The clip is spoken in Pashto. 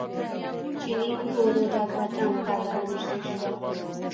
چیني ورو ورو د اکبرجان خواته را نژدې شو.